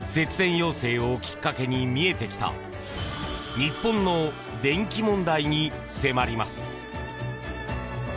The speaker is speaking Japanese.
そして節電要請をきっかけに見えてきた日本の電気問題に迫ります。